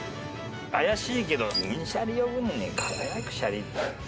怪しいけど銀シャリ呼ぶのに輝くシャリって。